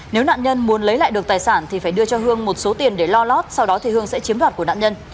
nếu nạn nhân muốn lấy lại được tài sản thì phải đưa cho hương một số tiền để lo lót sau đó thì hương sẽ chiếm đoạt của nạn nhân